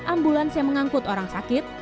ambulans yang mengangkut orang sakit